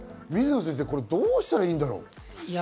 水野先生、どうしたらいいんだろう。